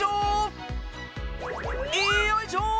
いよいしょ！